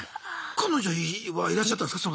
彼女はいらっしゃったんですかその。